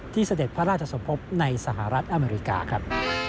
เสด็จพระราชสมภพในสหรัฐอเมริกาครับ